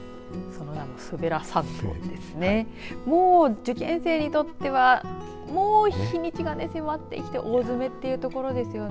もう受験生にとってはもう日にちが迫ってきて大詰めっていうところですよね。